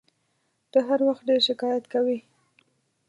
ته هر وخت ډېر شکایت کوې !